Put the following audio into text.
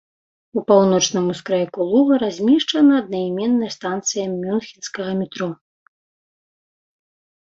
У паўночным ускрайку луга размешчана аднайменная станцыя мюнхенскага метро.